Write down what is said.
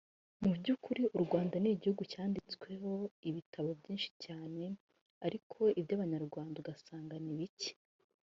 Mu by’ukuri u Rwanda ni igihugu cyanditsweho ibitabo byinshi cyane ariko iby’abanyarwanda ugasanga ni bike